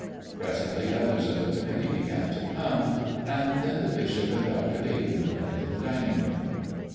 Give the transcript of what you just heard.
Presently others of the committee began to come, and then the bishop and Dr. Dayton went into the dining room.